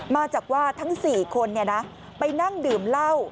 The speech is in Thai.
มาจากว่าทั้ง๔คนนี่นะไปนั่งดื่มเล่า